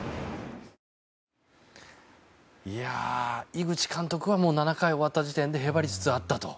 井口監督はもう７回終わった時点でへばりつつあったと。